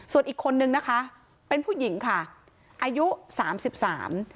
ส่วนอีกคนนึงนะคะเป็นผู้หญิงค่ะอายุสามสิบสาม